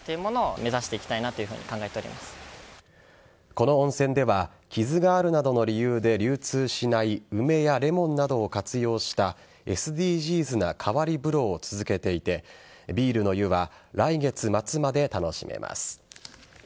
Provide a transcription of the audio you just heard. この温泉では傷があるなどの理由で流通しない梅やレモンなどを活用したＳＤＧｓな変わり風呂を続けていてビールの湯は来月末まで楽しめます。